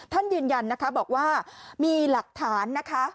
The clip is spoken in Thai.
ท่านยืนยันบอกว่ามีหลักฐานนะคะ